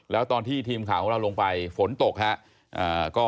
แล้วตอนที่ทีมข่าวของเราลงไปฝนตกครับ